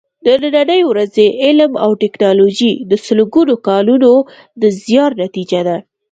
د نننۍ ورځې علم او ټېکنالوجي د سلګونو کالونو د زیار نتیجه ده.